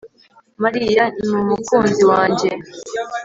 Mariya ni umukunzi wanjye